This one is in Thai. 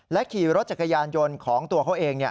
ขี่รถจักรยานยนต์ของตัวเขาเอง